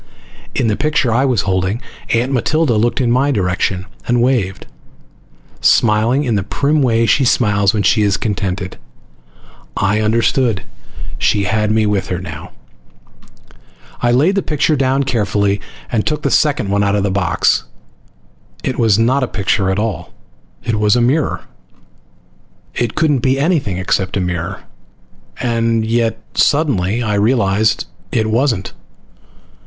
In the picture I was holding, Aunt Matilda looked in my direction and waved, smiling in the prim way she smiles when she is contented. I understood. She had me with her now. I laid the picture down carefully, and took the second one out of the box. It was not a picture at all, it was a mirror! It couldn't be anything except a mirror. And yet, suddenly, I realized it wasn't.